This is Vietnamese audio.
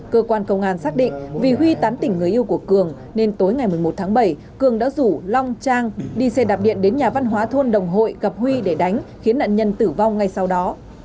cơ quan công an xác định vì huy tán tỉnh người yêu của cường nên tối ngày một mươi một tháng bảy cường đã rủ long trang đi xe đạp điện đến nhà văn hóa thôn đồng hội gặp huy để đánh khiến nạn nhân tử vong ngay sau đó